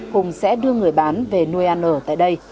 hùng sẽ đưa người bán về nuôi ăn ở tại đây